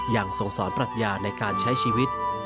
ส่งสอนปรัชญาในการใช้ชีวิต